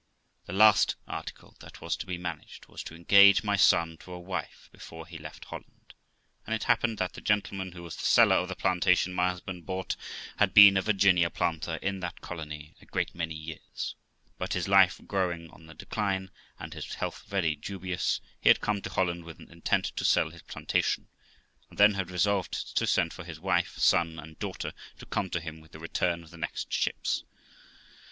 The last article that was to be managed, was to engage my son to a wife before he left Holland ; and it happened that the gentleman who was the seller of the plantation my husband bought, had been a Virginia planter in that colony a great many years; but his life growing on the decline, and his health very dubious, he had come to Holland with an intent to sell his plantation, and then had resolved to send for his wife, son, and daughter, to come to him with the return of the next ships.